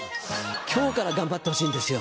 今日から頑張ってほしいんですよ。